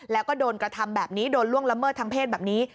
แล้วก็โดนกระทำแบบนี้โดนล่วงละเมิดทางเพศแบบนี้